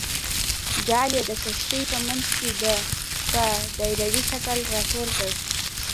جال یې د کښتۍ په منځ کې په دایروي شکل راټول کړ.